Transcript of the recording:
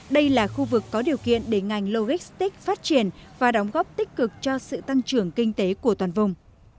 đây là khu vực có điều kiện để ngành logistics phát triển và đóng góp tích cực cho sự tăng trưởng kinh tế của toàn vùng